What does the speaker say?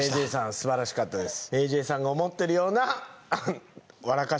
すばらしかったです